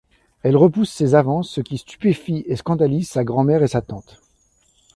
Elle repousse ses avances, ce qui stupéfie et scandalise sa grand-mère et sa tante.